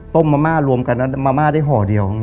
ต้มมาม่ารวมกันมาม่าได้ห่อเดียว